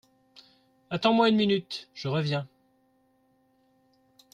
Attends-moi une minute ; je reviens.